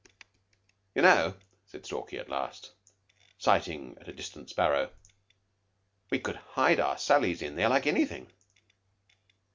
"You know," said Stalky at last, sighting at a distant sparrow, "we could hide our sallies in there like anything."